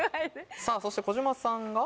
さぁそして児嶋さんが。